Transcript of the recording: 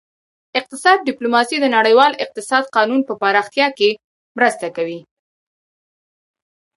اقتصادي ډیپلوماسي د نړیوال اقتصادي قانون په پراختیا کې مرسته کوي